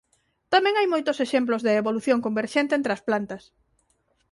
Tamén hai moitos exemplos de evolución converxente entre as plantas.